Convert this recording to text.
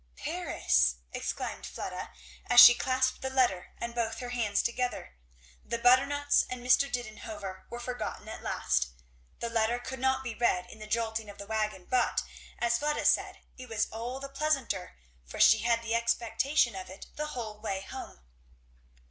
"Paris!" exclaimed Fleda, as she clasped the letter and both her hands together. The butternuts and Mr Didenhover were forgotten at last. The letter could not be read in the jolting of the wagon, but, as Fleda said, it was all the pleasanter, for she had the expectation of it the whole way home.